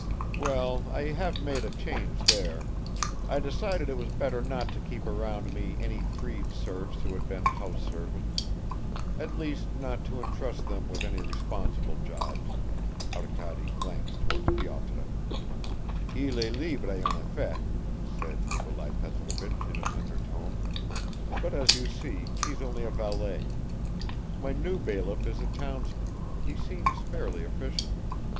"Well, I have made a change there. I decided it was better not to keep around me any freed serfs who had been house servants; at least not to entrust them with any responsible jobs." Arkady glanced towards Pyotr. "Il est libre en effet," said Nikolai Petrovich in an undertone, "but as you see, he's only a valet. My new bailiff is a townsman he seems fairly efficient.